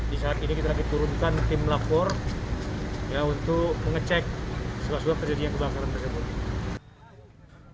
di saat ini kita lagi turunkan tim lapor untuk mengecek sebuah sebuah kejadian kebakaran tersebut